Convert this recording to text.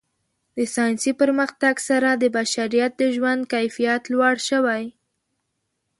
د ساینسي پرمختګ سره د بشریت د ژوند کیفیت لوړ شوی.